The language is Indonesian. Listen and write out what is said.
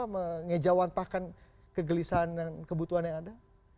sudah mengewantahkan kegelisahan dan kebutuhan yang ada